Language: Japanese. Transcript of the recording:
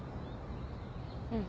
うん。